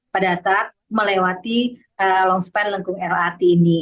pada saat melewati longspan lengkung lrt ini